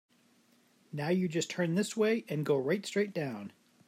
Now you just turn this way and go right straight down.